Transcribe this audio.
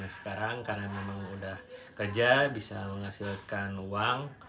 sekarang karena memang udah kerja bisa menghasilkan uang